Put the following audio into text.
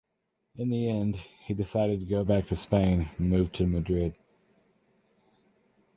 In the end he decided to go back to Spain and moved to Madrid.